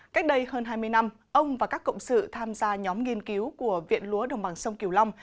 cách đây hơn hai mươi năm ông và các cộng sự tham gia nhóm nghiên cứu của viện lúa đồng bằng sông kiều long